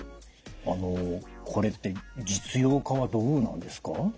あのこれって実用化はどうなんですか？